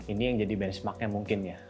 ini yang jadi benchmarknya mungkin ya